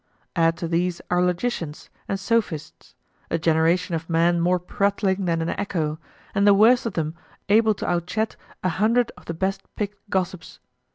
Add to these our logicians and sophists, a generation of men more prattling than an echo and the worst of them able to outchat a hundred of the best picked gossips.